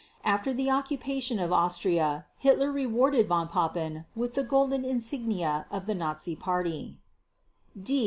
After the occupation of Austria, Hitler rewarded Von Papen with the golden insignia of the Nazi Party (D 632).